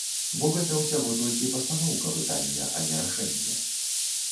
Бо гэта ўсяго толькі пастаноўка пытання, а не рашэнне.